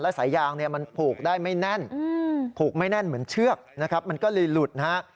สายยางเนี่ยมันผูกได้ไม่แน่นผูกไม่แน่นเหมือนเชือกนะครับมันก็เลยหลุดนะฮะ